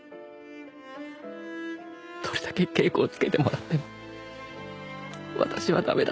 どれだけ稽古をつけてもらっても私は駄目だった。